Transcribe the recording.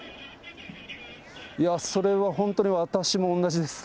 いやそれは本当に私も同じですね。